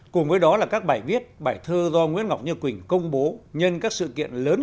cùng với đó là các bài viết bài thơ do nguyễn ngọc như quỳnh công bố nhân các sự kiện lớn